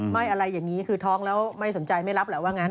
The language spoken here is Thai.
อะไรอย่างนี้คือท้องแล้วไม่สนใจไม่รับแหละว่างั้น